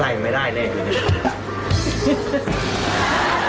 ใส่ไม่ได้เน่กันนะ